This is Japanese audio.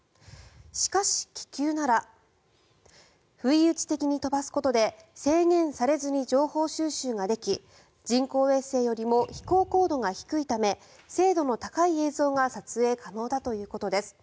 しかし、気球なら不意打ち的に飛ばすことで制限されずに情報収集ができ人工衛星よりも飛行高度が低いため精度の高い映像が撮影可能だということです。